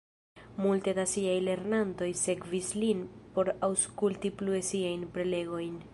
Multe da siaj lernantoj sekvis lin por aŭskulti plue siajn prelegojn.